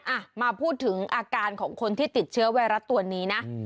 อ่ะมาพูดถึงอาการของคนที่ติดเชื้อไวรัสตัวนี้นะ